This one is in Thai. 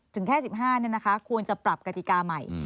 ถึงแค่๑๕ควรจะปรับกติกาใหม่